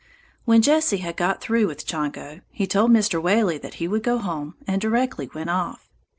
When Jesse had got through with Chongo, he told Mr. Whaley that he would go home, and directly went off.